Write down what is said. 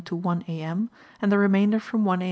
to 1 A.M., and the remainder from 1 A.